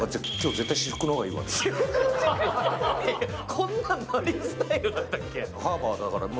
こんなマリンスタイルだったっけ？